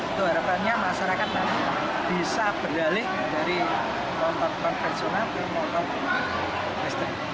itu harapannya masyarakat bisa berdalih dari motor perfesional ke motor